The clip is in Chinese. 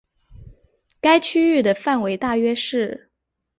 该区域的范围大约是。